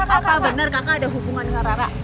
apa bener kakak ada hubungan sama rara